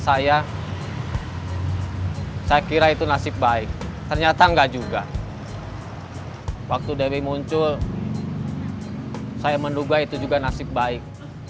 saya kira itu nasib baik ternyata enggak juga waktu dari muncul saya menduga itu juga nasib baik